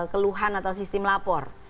keluhan atau sistem lapor